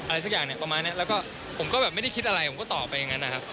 อะไรสักอย่างเนี่ยประมาณนี้แล้วก็ผมก็แบบไม่ได้คิดอะไรผมก็ตอบไปอย่างนั้นนะครับ